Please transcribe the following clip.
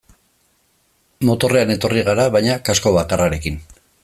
Motorrean etorri gara baina kasko bakarrarekin.